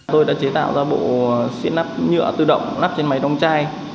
tôi đã chế tạo ra bộ siết nắp nhựa tự động nắp trên máy đóng chai